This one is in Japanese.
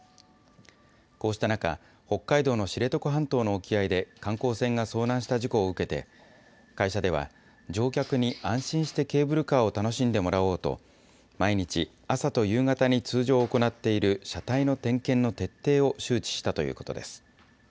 こうした中、北海道の知床半島の沖合で観光船が遭難した事故を受けて、会社では、乗客に安心してケーブルカーを楽しんでもらおうと、毎日朝と夕方の通常行っている車体の点検の徹底を周知したということです。